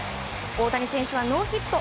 大谷選手はノーヒット。